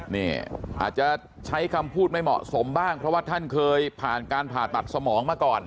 นี่อาจจะใช้คำพูดไม่เหมาะสมบ้างเพราะว่าท่านเคยผ่านการผ่าตัดสมองมาก่อน